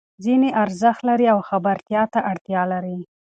ځینې ارزښت لري او خبرتیا ته اړتیا لري.